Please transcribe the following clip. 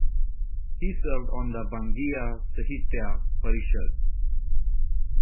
He served on the "Bangiya Sahitya Parishad".